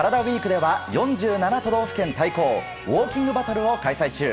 ＷＥＥＫでは４７都道府県対抗ウォーキングバトルを開催中。